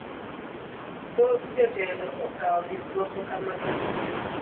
Thoth jotelo okawo gik moko ka mag tugo